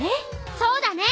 そうだね。